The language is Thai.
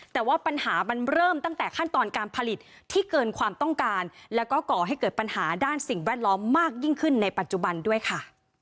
แต่ว่าปัญหามันเริ่มตั้งแต่ขั้นตอนการผลิตที่เกินความต้องการแล้วก็ก่อให้เกิดปัญหาด้านสิ่งแวดล้อมมากยิ่งขึ้นในปัจจุบันด้วยค่ะ